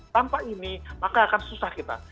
tanpa ini maka akan susah kita